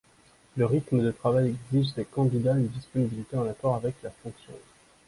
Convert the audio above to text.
Le rythme de travail exige des candidats une disponibilité en accord avec la fonction.